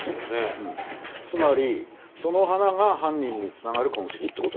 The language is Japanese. つまりその花が犯人に繋がる痕跡って事ね。